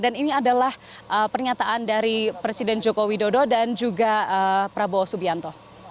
dan ini adalah pernyataan dari presiden joko widodo dan juga prabowo subianto